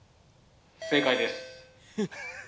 ・正解です。